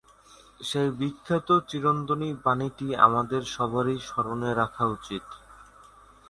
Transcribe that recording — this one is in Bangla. সেই বিখ্যাত চিরন্তনী বাণীটি আমাদের সবারই স্মরণে রাখা উচিত।